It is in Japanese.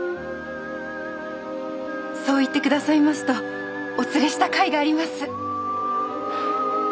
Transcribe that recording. そう言って下さいますとお連れしたかいがあります。